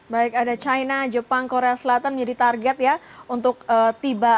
baik ada china jepang korea selatan menjadi target ya untuk tiba